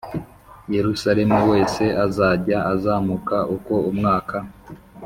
Yerusalemu wese azajya azamuka uko umwaka